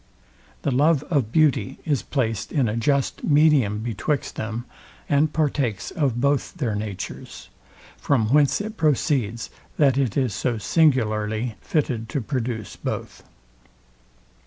The love of beauty is placed in a just medium betwixt them, and partakes of both their natures: From whence it proceeds, that it is so singularly fitted to produce both.